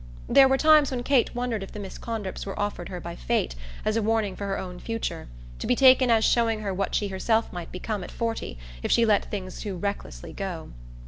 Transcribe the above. There were times when Kate wondered if the Miss Condrips were offered her by fate as a warning for her own future to be taken as showing her what she herself might become at forty if she let things too recklessly go.